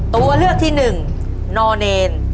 ตัวเลือกที่หนึ่งนอเนร